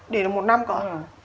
để được một năm cơ ạ